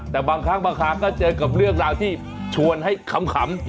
แต่บางครั้งบางครั้งก็เจอกับเรื่องราวที่ชวนให้ขำ